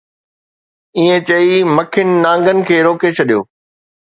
ائين چئي مکين نانگن کي روڪي ڇڏيو